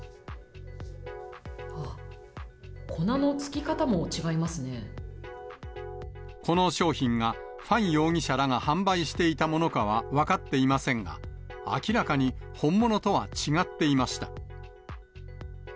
ああ、この商品が、ファン容疑者らが販売していたものかは分かっていませんが、明らかに本物とは違っていました。